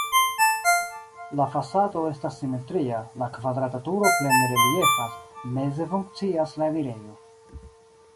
La fasado estas simetria, la kvadrata turo plene reliefas, meze funkcias la enirejo.